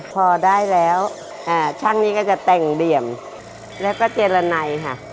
พอได้แล้วช่างนี้ก็จะแต่งเหลี่ยมแล้วก็เจรนัยค่ะ